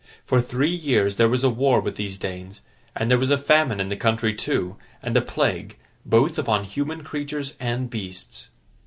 For three years, there was a war with these Danes; and there was a famine in the country, too, and a plague, both upon human creatures and beasts.